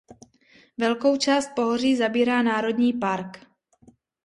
Velkou část pohoří zabírá národní park.